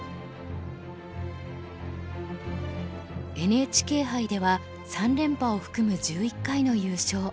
ＮＨＫ杯では３連覇を含む１１回の優勝。